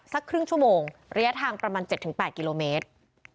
สักครึ่งชั่วโมงระยะทางประมาณ๗๘กิโลเมตร